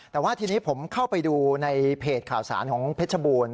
แต่ว่าทีนี้ผมเข้าไปดูในเพจข่าวสารของเพชรบูรณ์